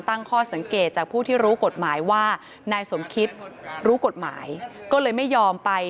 ตั้งข้อสังเกตจากผู้ที่รู้กฎหมายว่านายสมคิดรู้กฎหมายก็เลยไม่ยอมไป